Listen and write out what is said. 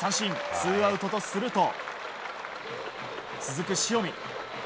ツーアウトとすると続く塩見。